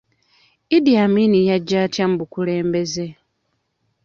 Idi Amin yajja atya mu bukulembeze?